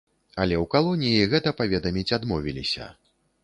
Але ў калоніі гэта паведаміць адмовіліся.